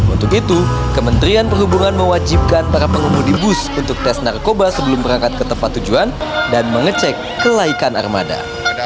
untuk itu kementerian perhubungan mewajibkan para pengemudi bus untuk tes narkoba sebelum berangkat ke tempat tujuan dan mengecek kelaikan armada